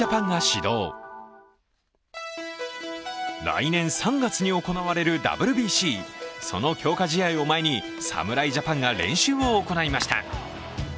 来年３月に行われるＷＢＣ、その強化試合を前に侍ジャパンが練習を行いました。